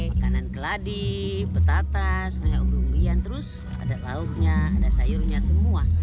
makanan geladi petata semuanya umbi umbian terus ada lauknya ada sayurnya semua